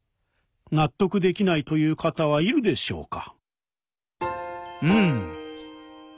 納得できないという方はいるでしょうか？